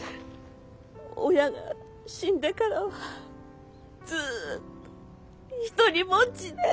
親が死んでからはずっと独りぼっちで。